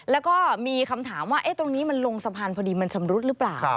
แล้วก็มีคำถามว่าตรงนี้มันลงสะพานพอดีมันชำรุดหรือเปล่า